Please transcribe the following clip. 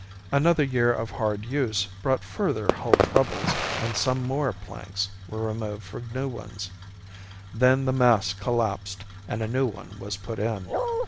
Another year of hard use brought further hull troubles and some more planks were removed for new ones. Then the mast collapsed and a new one was put in.